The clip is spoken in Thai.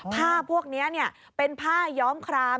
พวกนี้เป็นผ้าย้อมคราม